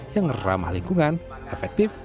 yang ramah lingkungan efektif